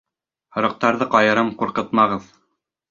Һарыҡтарҙы ҡайырам, ҡурҡытмағыҙ.